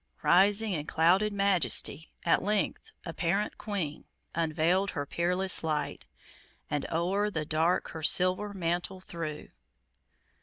Rising in clouded majesty, at length, Apparent queen, unveiled her peerless light, And o'er the dark her silver mantle threw.